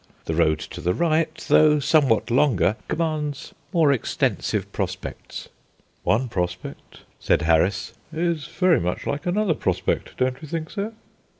The road to the right, though somewhat longer, commands more extensive prospects." "One prospect," said Harris, "is very much like another prospect; don't you think so?"